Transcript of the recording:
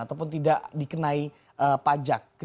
ataupun tidak dikenai pajak